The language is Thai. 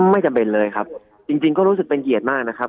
ไม่จำเป็นเลยครับจริงจริงก็รู้สึกเป็นเกียรติมากนะครับ